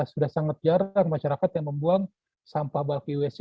sudah sangat jarang masyarakat yang membuang sampah balik iwc